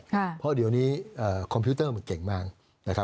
เพราะว่าเดี๋ยวนี้คอมพิวเตอร์มันเก่งมาก